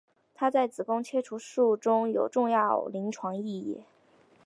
它在子宫切除术中有重要临床意义。